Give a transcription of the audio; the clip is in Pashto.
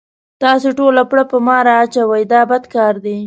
تاسې ټوله پړه په ما را اچوئ دا بد کار دی.